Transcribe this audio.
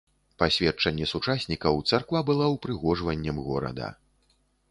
Па сведчанні сучаснікаў, царква была упрыгожваннем горада.